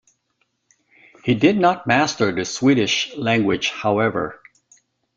He did not master the Swedish language however.